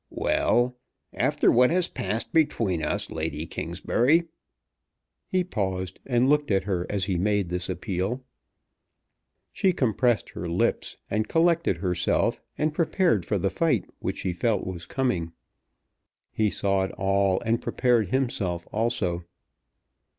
"Well; after what has passed between us, Lady Kingsbury, " He paused, and looked at her as he made this appeal. She compressed her lips and collected herself, and prepared for the fight which she felt was coming. He saw it all, and prepared himself also.